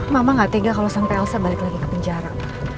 mama gak tega kalau sampai elsa balik lagi ke penjara